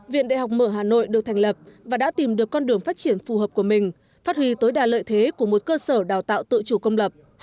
viện đại học mở hà nội được thành lập và đã tìm được con đường phát triển phù hợp của mình phát huy tối đa lợi thế của một cơ sở đào tạo tự chủ công lập